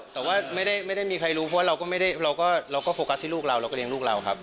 แต่ว่าไม่ได้มีใครรู้เพราะเราก็ไม่ได้เราก็โฟกัสที่ลูกเราเราก็เลี้ยลูกเราครับ